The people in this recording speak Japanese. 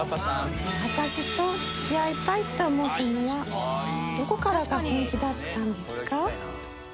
私と付き合いたいと思ったのはどこからが本気だったんですか？